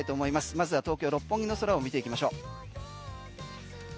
まず東京・六本木の空を見ていきましょう。